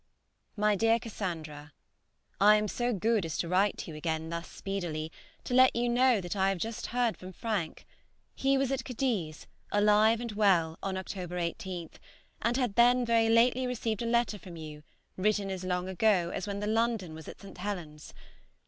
MY DEAR CASSANDRA, I am so good as to write to you again thus speedily, to let you know that I have just heard from Frank. He was at Cadiz, alive and well, on October 19, and had then very lately received a letter from you, written as long ago as when the "London" was at St. Helen's.